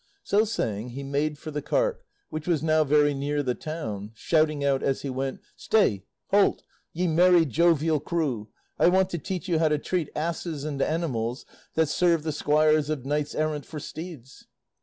So saying, he made for the cart, which was now very near the town, shouting out as he went, "Stay! halt! ye merry, jovial crew! I want to teach you how to treat asses and animals that serve the squires of knights errant for steeds."